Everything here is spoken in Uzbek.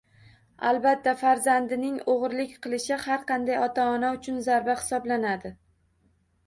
Albatta farzandining o‘g‘rilik qilishi har qanday ota-ona uchun zarba hisoblanadi.